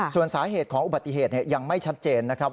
ส่วนสาเหตุของอุบัติเหตุยังไม่ชัดเจนนะครับ